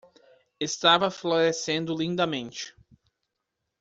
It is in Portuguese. Estava florescendo lindamente.